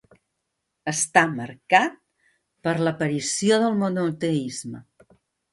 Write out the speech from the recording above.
Està marcat per l'aparició del monoteisme.